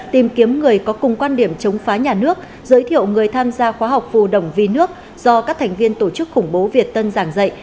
tìm kiếm người có cùng quan điểm chống phá nhà nước giới thiệu người tham gia khóa học phù đồng vì nước do các thành viên tổ chức khủng bố việt tân giảng dạy